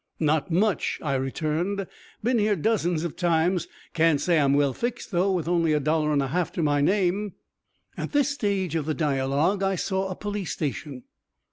"Not much," I returned. "Been here dozens of times. Can't say I'm well fixed, though, with only a dollar and a half to my name." At this stage of the dialogue, I saw a police station.